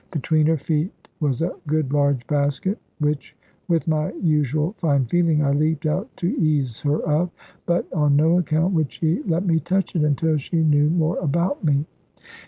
Between her feet was a good large basket, which with my usual fine feeling I leaped out to ease her of. But on no account would she let me touch it, until she knew more about me.